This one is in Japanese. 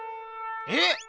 えっ！